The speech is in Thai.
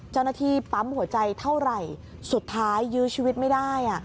เจ้าหน้าที่ปั๊มหัวใจเท่าไหร่สุดท้ายยื้อชีวิตไม่ได้